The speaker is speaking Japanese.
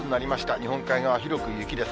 日本海側、広く雪です。